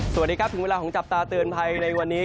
สวัสดีครับถึงเวลาของจับตาเตือนภัยในวันนี้